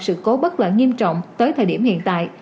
sự cố bất lợi nghiêm trọng tới thời điểm hiện tại